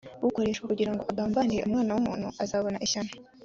ukoreshwa kugira ngo agambanire umwana w’ umuntu azabona ishyano.